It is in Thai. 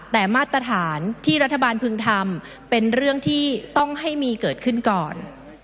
แต่มาตรฐานที่รัฐบาลพึงทำเป็นเรื่องที่ต้องให้มีเกิดขึ้นก่อน